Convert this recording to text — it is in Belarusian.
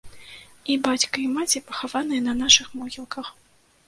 І бацька, і маці пахаваныя на нашых могілках.